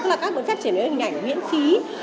các bộ phép triển hệ hình ảnh miễn phí